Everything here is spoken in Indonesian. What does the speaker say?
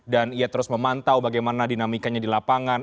dan ia terus memantau bagaimana dinamikanya di lapangan